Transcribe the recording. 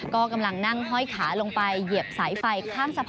ก็กำลังนั่งห้อยขาลงไปเหยียบสายไฟข้างสะพาน